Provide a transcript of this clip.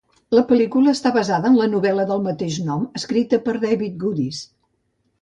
La pel·lícula està basada en la novel·la del mateix nom escrita per David Goodis.